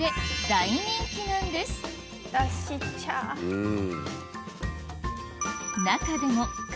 うん。